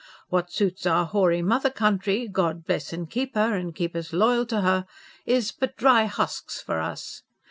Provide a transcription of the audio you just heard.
What suits our hoary mother country God bless and keep her and keep us loyal to her! is but dry husks for us.